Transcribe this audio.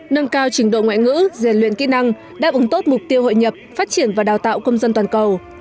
nâng cao trình độ ngoại ngữ rèn luyện kỹ năng đáp ứng tốt mục tiêu hội nhập phát triển và đào tạo công dân toàn cầu